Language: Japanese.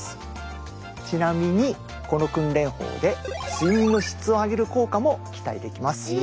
ちなみにこの訓練法で睡眠の質を上げる効果も期待できます。